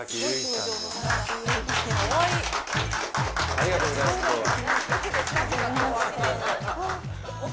ありがとうございます今日は。